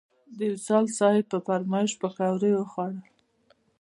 د وصال صیب په فرمایش پکوړې وخوړل.